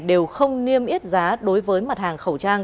đều không niêm yết giá đối với mặt hàng khẩu trang